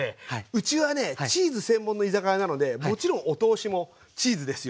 うちはねチーズ専門の居酒屋なのでもちろんお通しもチーズですよ。